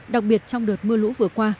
đặc biệt trong đợt mưa lũ vừa qua